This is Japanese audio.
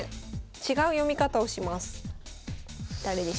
違う読み方をします。